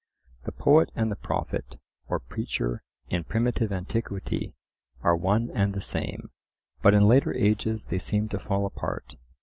The poet and the prophet, or preacher, in primitive antiquity are one and the same; but in later ages they seem to fall apart.